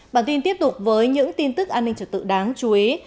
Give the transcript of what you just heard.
bản tin tiếp tục với những tin tức an ninh trật tự đáng chú ý